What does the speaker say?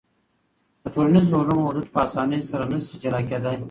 د ټولنیزو علومو حدود په اسانۍ سره نسي جلا کېدای.